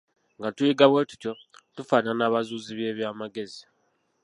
Nga tuyiga bwe tutyo, tufaanaana abazuuzi b'eby'amagezi.